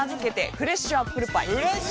フレッシュアップルパイ！